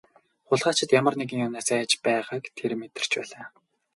Хулгайлагчид ямар нэгэн юмнаас айж байгааг тэр мэдэрч байлаа.